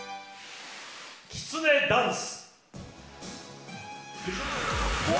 きつねダンス。